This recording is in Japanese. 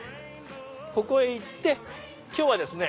ここへ行って今日はですね